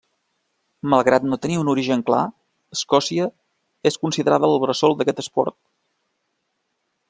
Malgrat no tenir un origen clar, Escòcia és considerada el bressol d'aquest esport.